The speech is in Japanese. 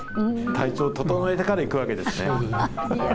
体調整えてから行くわけですね。